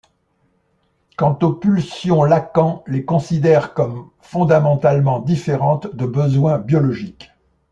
Quant aux pulsions Lacan les considère comme fondamentalement différentes de besoins biologiques.